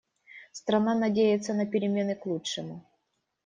Страна надеется на перемены к лучшему.